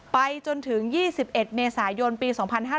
ไปจนถึง๒๑เมษายนปี๒๕๕๙